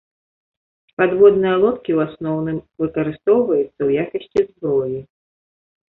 Падводныя лодкі ў асноўным выкарыстоўваюцца ў якасці зброі.